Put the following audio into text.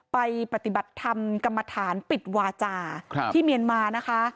ปฏิบัติธรรมกรรมฐานปิดวาจาที่เมียนมานะคะ